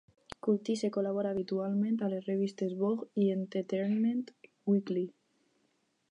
Cultice col·labora habitualment a les revistes Vogue i Entertainment Weekly.